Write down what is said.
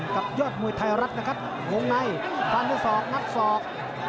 ยอดมวยไทยรัฐนะครับวงในฟันด้วยศอกงัดศอก